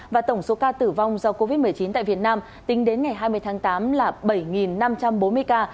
và tổng số ca tử vong do covid một mươi chín tại việt nam tính đến ngày hai mươi tháng tám là bảy năm trăm bốn mươi ca